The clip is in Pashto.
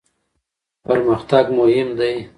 پرمختګ مهم دی.